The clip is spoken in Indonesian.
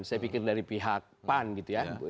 saya pikir dari pihak pan gitu ya